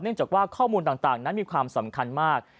จากว่าข้อมูลต่างนั้นมีความสำคัญมาก